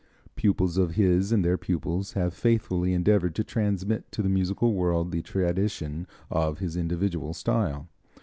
Pupils of his and their pupils have faithfully endeavored to transmit to the musical world the tradition of his individual style.